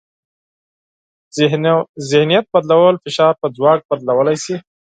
ذهنیت بدلول فشار په ځواک بدلولی شي.